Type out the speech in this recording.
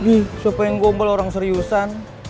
ih siapa yang gombal orang seriusan